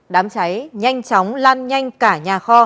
đám cháy nhanh chóng lan nhanh cả nhà kho